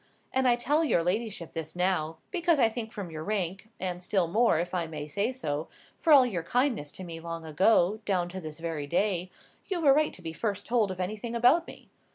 And I tell your ladyship this now, because I think from your rank—and still more, if I may say so, for all your kindness to me long ago, down to this very day—you've a right to be first told of anything about me.